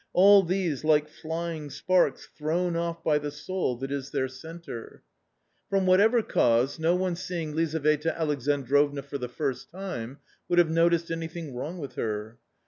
all these like flying sparks thrown off by the soul that is their centre A COMMON STORY 269 /"From whatever cause, no one seeing Lizaveta Alexan | drovna for the first time would have noticed anything \wronff with her.